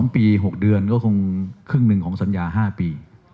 ๒ปี๖เดือนก็คงครึ่งหนึ่งของสัญญา๕ปี